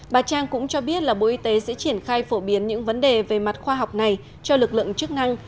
bà trang cũng cho biết là bộ y tế sẽ triển khai phổ biến những vấn đề về mặt khoa học này cho lực lượng chức năng